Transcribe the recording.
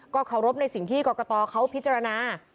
เคารพในสิ่งที่กรกตเขาพิจารณา